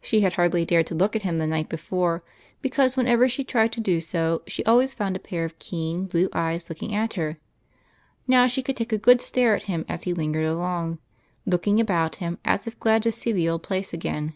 She had hardly dared to look at him the night before, because whenever she tried to do so she always found a pair of keen blue eyes looking at her. Now 24 EIGHT COUSINS. she could take a good stare at him as he lingered along, looking about him as if glad to see the old place again.